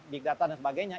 big data dan sebagainya